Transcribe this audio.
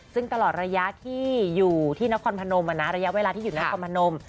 ซึ่งตลอดระยะที่อยู่ที่นครพนมระยะเวลาที่อยู่นครพนม